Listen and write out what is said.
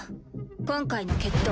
今回の決闘